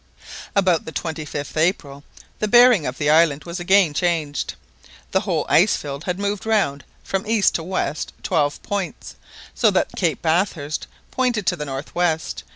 About the 25th April the bearing of the island was again changed, the whole ice field had moved round from east to west twelve points, so that Cape Bathurst pointed to the north west.